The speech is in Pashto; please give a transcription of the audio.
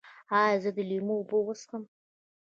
ایا زه د لیمو اوبه وڅښم؟